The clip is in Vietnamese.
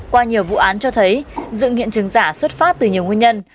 qua nhiều vụ án cho thấy dựng hiện trường giả xuất phát từ nhiều nguyên nhân